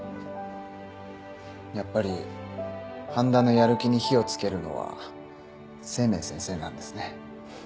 やっぱり半田のやる気に火を付けるのは清明先生なんですね。